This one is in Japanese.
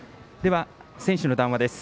選手の談話です。